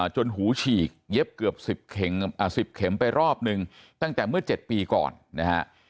หูฉีกเย็บเกือบ๑๐เข็มไปรอบนึงตั้งแต่เมื่อ๗ปีก่อนนะฮะ